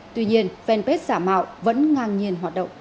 tuy nhiên fanpage giả mạo vẫn ngang nhiên